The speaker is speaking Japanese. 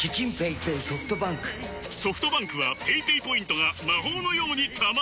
ソフトバンクはペイペイポイントが魔法のように貯まる！